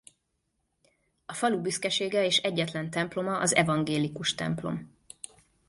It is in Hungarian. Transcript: A falu büszkesége és egyetlen temploma az evangélikus templom.